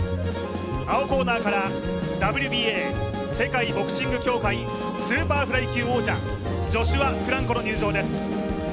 青コーナーからＷＢＡ世界ボクシング協会スーパーフライ級王者ジョシュア・フランコの入場です。